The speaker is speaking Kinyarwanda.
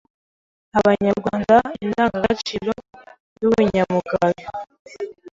abanyarwanda indangagaciro y’Ubunyangamugayo,